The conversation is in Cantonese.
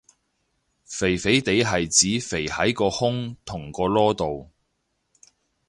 肥肥哋係指肥喺個胸同個籮度